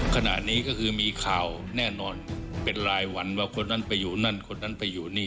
ขณะนี้ก็คือมีข่าวแน่นอนเป็นรายวันว่าคนนั้นไปอยู่นั่นคนนั้นไปอยู่นี่